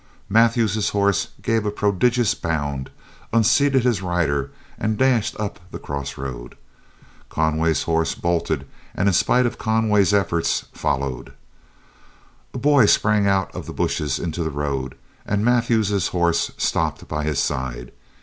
Mathews's horse gave a prodigious bound, unseated his rider, and dashed up the cross road. Conway's horse bolted, and in spite of Conway's efforts, followed. A boy sprang out of the bushes into the road, and Mathews's horse stopped by his side.